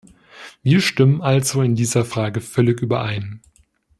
Wir stimmen also in dieser Frage völlig überein.